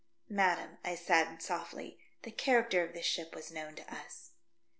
" Madam," said I, sofdy, "the character of this ship was known to us."